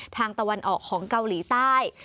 ตะวันออกของเกาหลีใต้